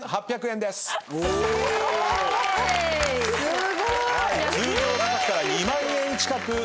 すごい！